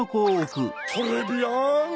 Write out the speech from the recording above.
トレビアン！